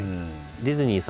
ディズニーさん